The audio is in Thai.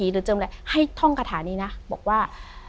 เจออะไรให้ท่องคาถานี้นะบอกว่า